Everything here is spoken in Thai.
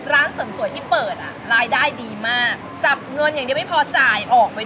ร้านเสริมสวยที่เปิดอ่ะรายได้ดีมากจับเงินอย่างเดียวไม่พอจ่ายออกไป